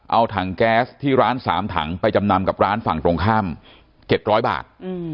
เอาถังแก๊สที่ร้าน๓ถังไปจำนำกับร้านฝั่งตรงข้าม๗๐๐บาท